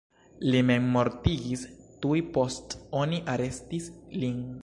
Li memmortigis tuj post oni arestis lin.